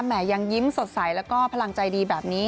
ยังยิ้มสดใสแล้วก็พลังใจดีแบบนี้